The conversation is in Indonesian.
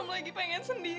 rum lagi pengen sendiri ki